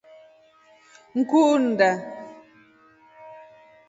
Mkuu unda.